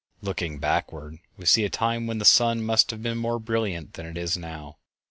Looking backward, we see a time when the sun must have been more brilliant than it is now.